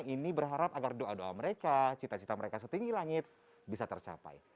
ini berharap agar doa doa mereka cita cita mereka setinggi langit bisa tercapai